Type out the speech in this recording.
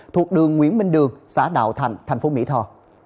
thuộc đường nguyễn minh đường xã đạo thành thành phố mỹ tho